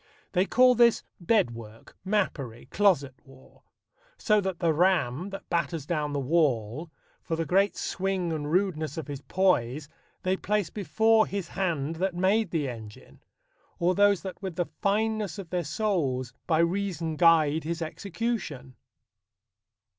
They call this bed work, mappery, closet war: So that the ram, that batters down the wall, For the great swing and rudeness of his poise, They place before his hand that made the engine, Or those that with the fineness of their souls By reason guide his execution.